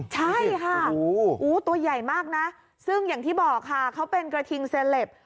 ใช่ค่ะตัวใหญ่มากนะซึ่งอย่างที่บอกค่ะเขาเป็นกระทิงเซลป